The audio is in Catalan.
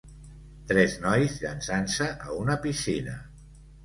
Tres nois llançant-se a una piscina.